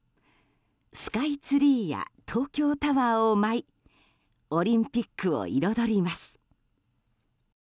スカイツリーや東京タワーを舞いオリンピックを彩ります。